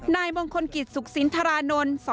นายมงคล์กิจสุขศิลป์ทารานนท์